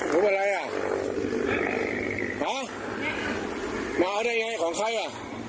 รู้เป็นไรอ่ะหอมาเอาได้ยังไงของใครอ่ะ